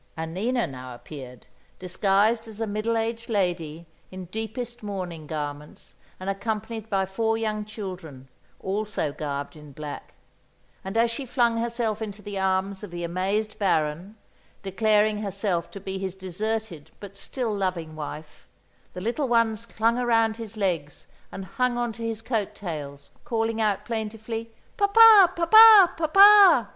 Annina now appeared, disguised as a middle aged lady in deepest mourning garments and accompanied by four young children also garbed in black; and as she flung herself into the arms of the amazed Baron, declaring herself to be his deserted but still loving wife, the little ones clung around his legs and hung on to his coat tails, calling out plaintively "Papa! Papa! Papa!"